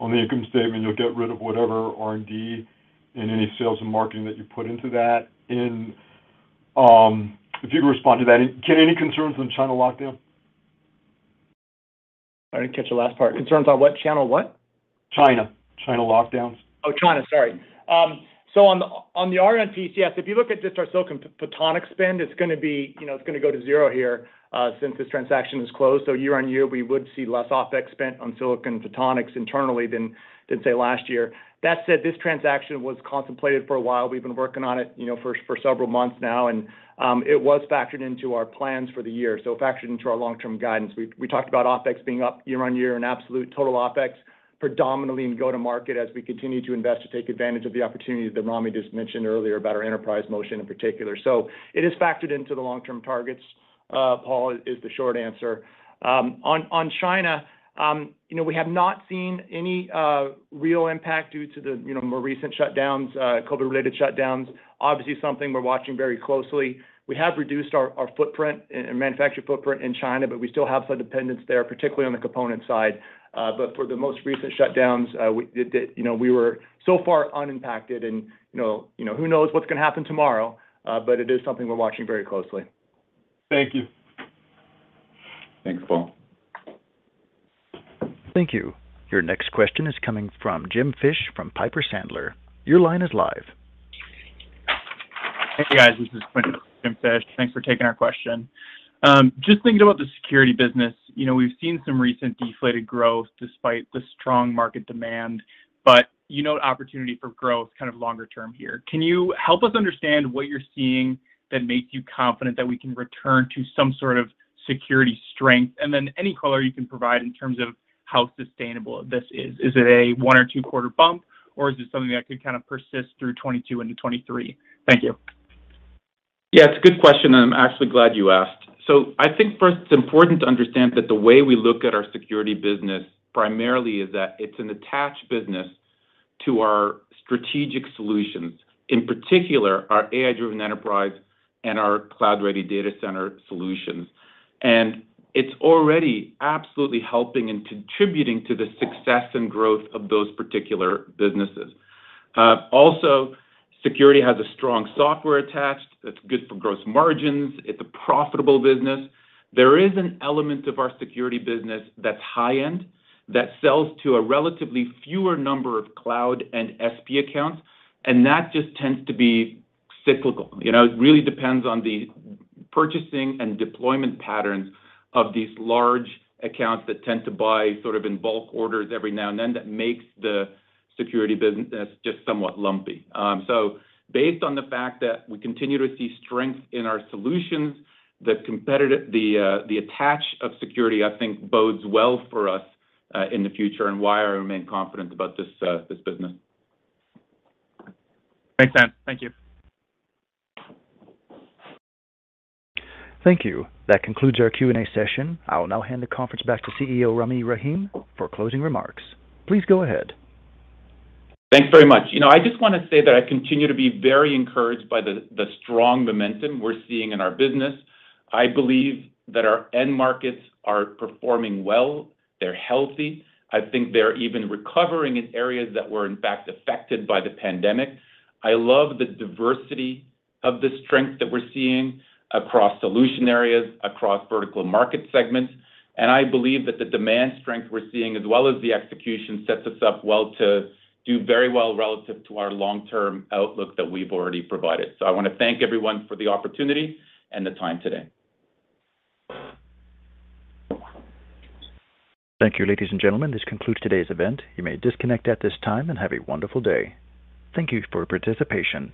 on the income statement? You'll get rid of whatever R&D in any sales and marketing that you put into that in. If you could respond to that. Ken, any concerns on China lockdown? I didn't catch the last part. Concerns on what channel what? China. China lockdowns. Oh, China. Sorry. On the R&D costs, if you look at just our silicon photonics spend, it's going to be, you know, it's going to go to zero here since this transaction is closed. Year-over-year, we would see less OpEx spent on silicon photonics internally than, say, last year. That said, this transaction was contemplated for a while. We've been working on it, you know, for several months now, and it was factored into our plans for the year, so factored into our long-term guidance. We talked about OpEx being up year-over-year in absolute total OpEx predominantly in go-to-market as we continue to invest to take advantage of the opportunity that Rami just mentioned earlier about our enterprise motion in particular. It is factored into the long-term targets, Paul, is the short answer. On China, you know, we have not seen any real impact due to the, you know, more recent shutdowns, COVID-related shutdowns. Obviously something we're watching very closely. We have reduced our footprint and manufacture footprint in China, but we still have some dependence there, particularly on the component side. But for the most recent shutdowns, we were so far unimpacted and, you know, who knows what's going to happen tomorrow, but it is something we're watching very closely. Thank you. Thanks, Paul. Thank you. Your next question is coming from Jim Fish from Piper Sandler. Your line is live. Hey, guys, this is Jim Fish. Thanks for taking our question. Just thinking about the security business, you know, we've seen some recent deflated growth despite the strong market demand, but you know the opportunity for growth kind of longer term here. Can you help us understand what you're seeing that makes you confident that we can return to some sort of security strength? And then any color you can provide in terms of how sustainable this is. Is it a 1 or 2-quarter bump, or is this something that could kind of persist through 2022 into 2023? Thank you. Yeah, it's a good question, and I'm actually glad you asked. I think first it's important to understand that the way we look at our security business primarily is that it's an attached business to our strategic solutions, in particular our AI-Driven Enterprise and our Cloud-Ready Data Center solutions. It's already absolutely helping and contributing to the success and growth of those particular businesses. Also security has a strong software attached that's good for gross margins. It's a profitable business. There is an element of our security business that's high-end that sells to a relatively fewer number of cloud and SP accounts, and that just tends to be cyclical. You know, it really depends on the purchasing and deployment patterns of these large accounts that tend to buy sort of in bulk orders every now and then that makes the security business just somewhat lumpy. Based on the fact that we continue to see strength in our solutions, the attach of security I think bodes well for us in the future and why I remain confident about this business. Makes sense. Thank you. Thank you. That concludes our Q&A session. I will now hand the conference back to CEO Rami Rahim for closing remarks. Please go ahead. Thanks very much. You know, I just want to say that I continue to be very encouraged by the strong momentum we're seeing in our business. I believe that our end markets are performing well. They're healthy. I think they're even recovering in areas that were in fact affected by the pandemic. I love the diversity of the strength that we're seeing across solution areas, across vertical market segments, and I believe that the demand strength we're seeing as well as the execution sets us up well to do very well relative to our long-term outlook that we've already provided. I want to thank everyone for the opportunity and the time today. Thank you, ladies and gentlemen. This concludes today's event. You may disconnect at this time, and have a wonderful day. Thank you for participation.